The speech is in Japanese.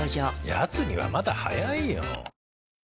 やつにはまだ早いよ。